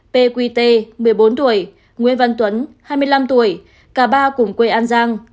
pqt một mươi bốn tuổi nguyễn văn tuấn hai mươi năm tuổi cả ba cùng quê an giang